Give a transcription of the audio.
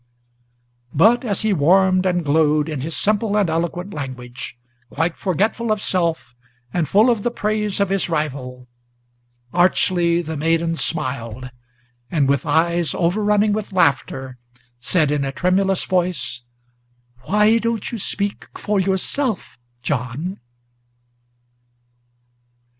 But as he warmed and glowed, in his simple and eloquent language, Quite forgetful of self, and full of the praise of his rival, Archly the maiden smiled, and, with eyes over running with laughter, Said, in a tremulous voice, "Why don't you speak for yourself, John?"